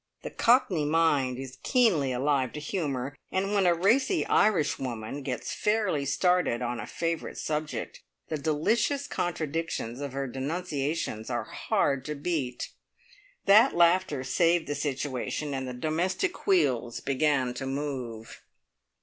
The Cockney mind is keenly alive to humour, and when a racy Irishwoman gets fairly started on a favourite subject, the delicious contradictions of her denunciations are hard to beat! That laughter saved the situation, and the domestic wheels began to move.